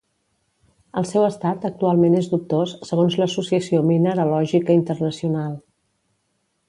El seu estat actualment és dubtós segons l'Associació Mineralògica Internacional.